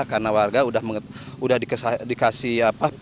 karena warga sudah dikasih